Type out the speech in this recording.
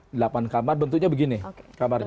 delapan kamar bentuknya begini kamarnya